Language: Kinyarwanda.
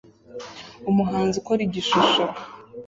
Umuhanzi ukora igishusho